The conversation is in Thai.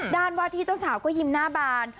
วาดที่เจ้าสาวก็ยิ้มหน้าบาน